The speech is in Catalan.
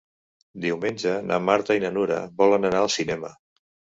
Diumenge na Marta i na Nura volen anar al cinema.